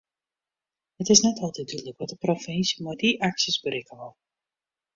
It is net altyd dúdlik wat de provinsje met dy aksjes berikke wol.